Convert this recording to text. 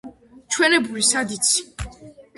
ჩვენებური სად იცი?